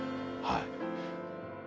はい。